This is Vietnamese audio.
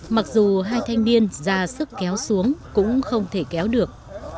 mặc dù hai thanh niên ra sức kéo xuống cũng không thể kéo được